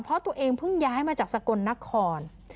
เพราะตัวเองเพิ่งย้ายมาจากสกลนคร